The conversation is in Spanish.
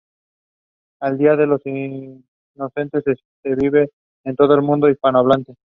El día de los inocentes se vive en todo el mundo hispanohablante.